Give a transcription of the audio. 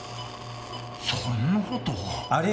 そんな事が。